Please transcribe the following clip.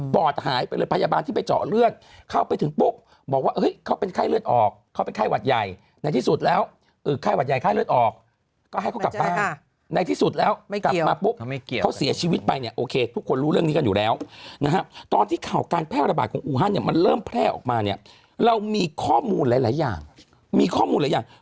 หายไปเลยพยาบาลที่ไปเจาะเลือดเข้าไปถึงปุ๊บบอกว่าเขาเป็นไข้เลือดออกเขาเป็นไข้หวัดใหญ่ในที่สุดแล้วไข้หวัดใหญ่ไข้เลือดออกก็ให้เขากลับบ้านในที่สุดแล้วกลับมาปุ๊บเขาเสียชีวิตไปเนี่ยโอเคทุกคนรู้เรื่องนี้กันอยู่แล้วนะฮะตอนที่ข่าวการแพร่ระบาดของอูฮันเนี่ยมันเริ่มแพร่ออกมาเนี่ยเรามีข้อมูลหลายอย่างมีข้อมูลหลายอย่าง